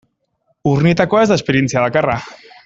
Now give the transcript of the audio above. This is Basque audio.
Urnietakoa ez da esperientzia bakarra.